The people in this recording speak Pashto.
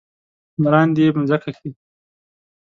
مراندې يې مځکه کې ،